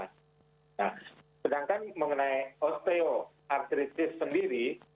nah sedangkan mengenai osteoartritis sendiri